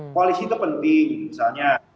koalisi itu penting misalnya